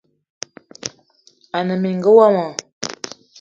Ane mininga womo